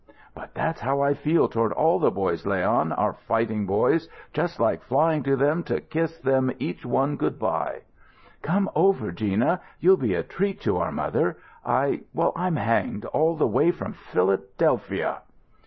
"But that's how I feel toward all the boys, Leon our fighting boys just like flying to them to kiss them each one good bye." "Come over, Gina. You'll be a treat to our mother. I well, I'm hanged all the way from Philadelphia!"